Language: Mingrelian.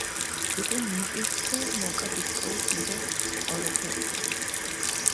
უკულ მიკირთჷ დო მონკა ბიწკორით მიდართ ოროფეჸურე.